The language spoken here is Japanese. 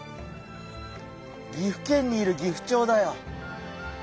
岐阜県にいるギフチョウだよ。